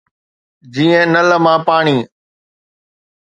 جيئن نل مان پاڻي